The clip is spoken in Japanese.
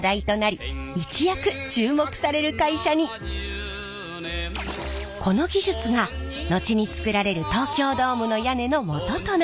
この技術が後に作られる東京ドームの屋根の基となったんです